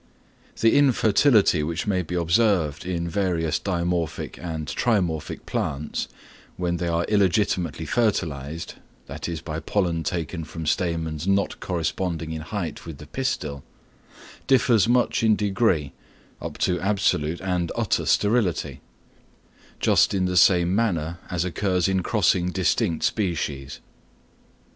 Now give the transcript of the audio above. The infertility which may be observed in various dimorphic and trimorphic plants, when they are illegitimately fertilised, that is by pollen taken from stamens not corresponding in height with the pistil, differs much in degree, up to absolute and utter sterility; just in the same manner as occurs in crossing distinct species.